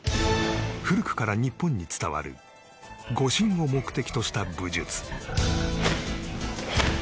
古くから日本に伝わる護身を目的とした武術。